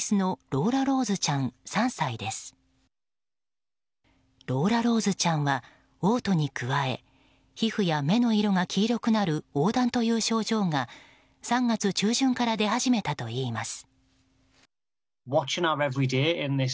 ローラローズちゃんは嘔吐に加え皮膚や目の色が黄色くなる黄だんという症状が３月中旬から出始めたといいます。